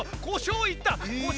こしょういった！